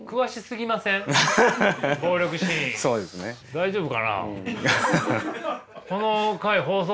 大丈夫かな。